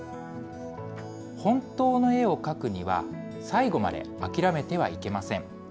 本当の絵を描くには、最後まで諦めてはいけません。